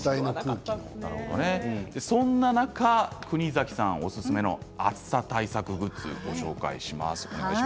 そんな中国崎さんおすすめの暑さ対策グッズをご紹介します。